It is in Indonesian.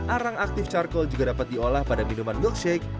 arang aktif charcoal juga dapat diolah pada minuman milkshake